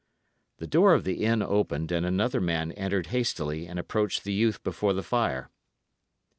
The door of the inn opened, and another man entered hastily and approached the youth before the fire.